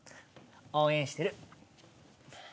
応援してる！